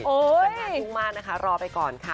แต่งานรุ่งมากนะคะรอไปก่อนค่ะ